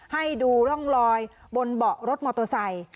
ให้ดูร่องรอยบนเบาะรถมอเตอร์ไซค์